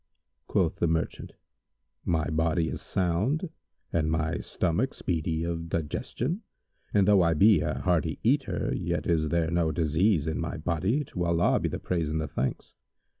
Quoth the merchant, "My body is sound and my stomach speedy of digestion, and though I be a hearty eater, yet is there no disease in my body, to Allah be the praise and the thanks!"